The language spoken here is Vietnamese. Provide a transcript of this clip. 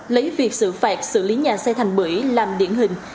lấy việc xử phạt xử lý nhà xe thành bưởi làm điển hình